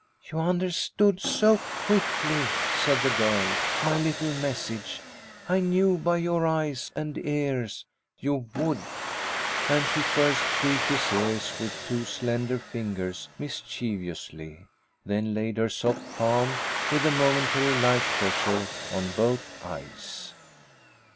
"You understood so quickly," said the girl, "my little message. I knew by your eyes and ears you would." And she first tweaked his ears with two slender fingers mischievously, then laid her soft palm with a momentary light pressure on both eyes.